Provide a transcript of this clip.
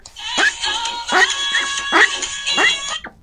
Este tipo de reacción es abundante en reacciones orgánicas.